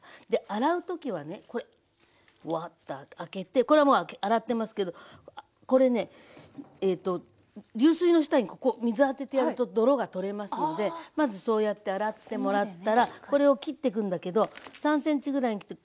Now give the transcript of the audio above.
洗う時はねこれワッと開けてこれはもう洗ってますけどこれねえと流水の下にここ水当ててやると泥が取れますのでまずそうやって洗ってもらったらこれを切ってくんだけど３ｃｍぐらい切って。